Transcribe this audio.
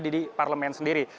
dari parlement sendiri